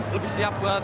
lebih siap buat